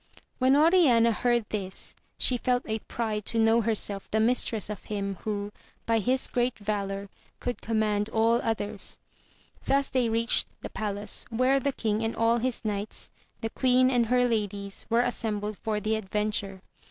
When Oriana heard this, she felt a pride to know herself the mistress of him, who, by his great valour, could command all others. Thus they reached the palace, where the king and all his knights, the queen and her ladies, were assembled for the adventure.